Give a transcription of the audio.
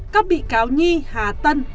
các bị cáo nhi hà tân